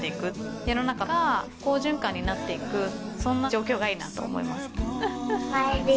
世の中が好循環になっていくそんな状況がいいなと思います。